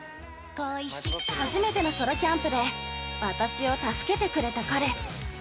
◆初めてのソロキャンプで、私を助けてくれた彼